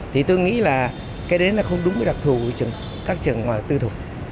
thì tôi nghĩ là cái đấy là không đúng với đặc thù của các trường ngoài tư thục